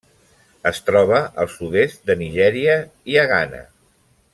Es troba al sud-est de Nigèria i a Ghana.